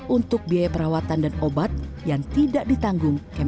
untuk biaya perawatan dan obat yang tidak ditanggung oleh rumah sakit